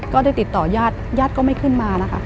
ก็ได้ติดต่อญาติญาติก็ไม่ขึ้นมานะคะ